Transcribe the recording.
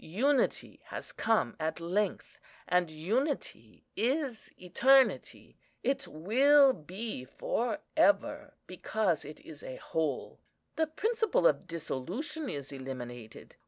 Unity has come at length, and unity is eternity. It will be for ever, because it is a whole. The principle of dissolution is eliminated.